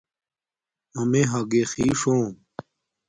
امیے ھاگی قیݽ ہوم